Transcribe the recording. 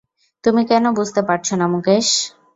তুমি কেন বুঝতে পারছনা মুকেশ?